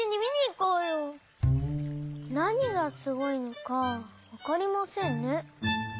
なにがすごいのかわかりませんね。